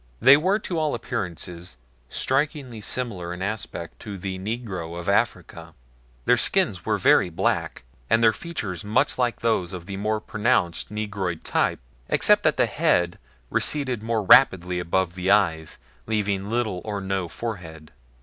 They were to all appearances strikingly similar in aspect to the Negro of Africa. Their skins were very black, and their features much like those of the more pronounced Negroid type except that the head receded more rapidly above the eyes, leaving little or no forehead.